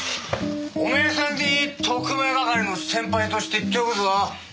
お前さんに特命係の先輩として言っておくぞ。